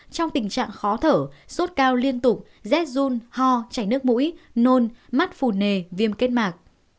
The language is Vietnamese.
trong tình trạng khó thở sốt cao liên tục rét run ho chảy nước mũi nôn mắt phù nề viêm kết mạc